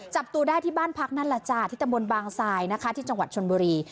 จับตู้ได้ที่บ้านพักนั่นล่ะจ้าที่ตะบนบางซายที่จังหวัดชนบุรี